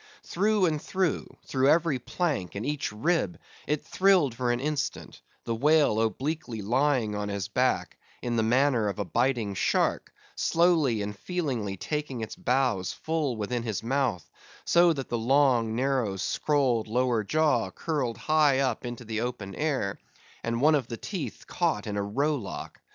Through and through; through every plank and each rib, it thrilled for an instant, the whale obliquely lying on his back, in the manner of a biting shark, slowly and feelingly taking its bows full within his mouth, so that the long, narrow, scrolled lower jaw curled high up into the open air, and one of the teeth caught in a row lock.